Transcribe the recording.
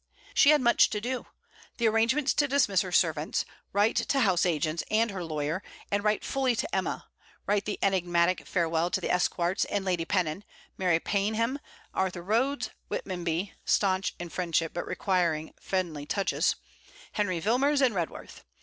She had much to do: the arrangements to dismiss her servants, write to house agents and her lawyer, and write fully to Emma, write the enigmatic farewell to the Esquarts and Lady Pennon, Mary Paynham, Arthur Rhodes, Whitmonby (stanch in friendship, but requiring friendly touches), Henry Wilmers, and Redworth.